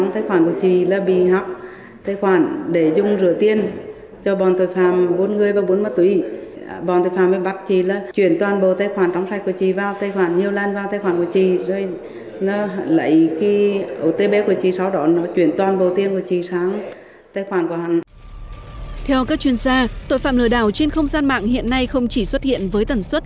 theo các chuyên gia tội phạm lừa đảo trên không gian mạng hiện nay không chỉ xuất hiện với tần suất